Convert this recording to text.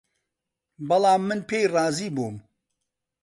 بەڵام من پێی رازی بووم